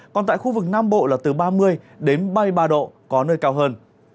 còn tại khu vực nam bộ là từ ba mươi đến ba mươi ba độ có nơi cao hơn